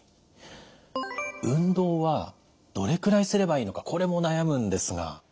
運動はどれくらいすればいいのかこれも悩むんですが。